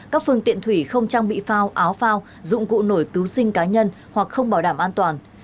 các phương tiện thủy không trang bị phao áo phao dụng cụ nổi cứu sinh cá nhân hoặc không bảo đảm an toàn